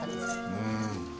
うん。